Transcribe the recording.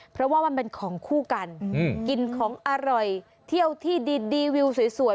เพราะว่ามันเป็นของคู่กันกินของอร่อยเที่ยวที่ดีวิวสวย